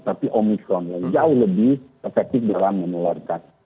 tapi omikron yang jauh lebih efektif dalam menularkan